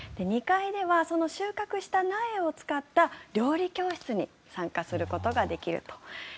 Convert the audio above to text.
２階ではその収穫した苗を使った料理教室に参加することができると。